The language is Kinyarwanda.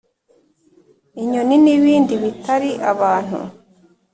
inyoni n’ibindi bitari abantu